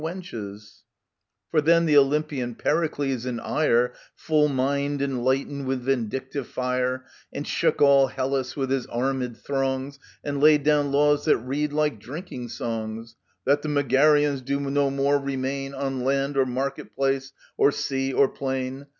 27 For then the Olympian Pericles in ire Fulmined and lightened with vindictive fire,* And shook all Hellas with his armed throngs, And laid down laws that read like drinking songs, — f " That the Megarians do no more remain On land, or market place, or sea, or plain